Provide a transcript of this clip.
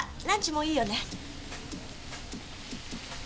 もういいよね？